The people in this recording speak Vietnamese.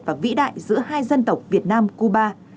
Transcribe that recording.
và vĩ đại giữa hai dân tộc việt nam cuba